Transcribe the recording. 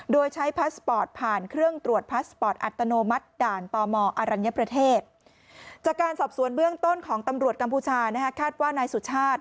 โดยใช้พาสปอร์ตผ่านเครื่องตรวจพาสปอร์ตอัตโนมัติ